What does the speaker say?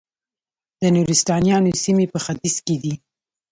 د نورستانیانو سیمې په ختیځ کې دي